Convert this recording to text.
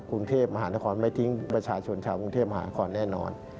กรุงเทพมหานครไม่ทิ้งประชาชนชาวกรุงเทพมหานครแน่นอน